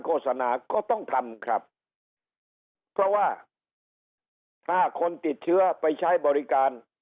โฆษณาก็ต้องทำครับเพราะว่าถ้าคนติดเชื้อไปใช้บริการ